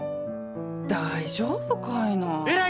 大丈夫かいな。